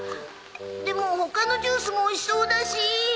でも他のジュースもおいしそうだし